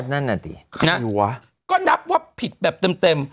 นั่นอะอะสิครับมียังไงไม่ใช่อย่างเดียวะก็นับว่าผิดแบบเต็ม